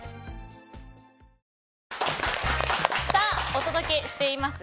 お届けしています